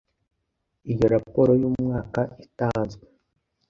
iyo raporo y umwaka itanzwe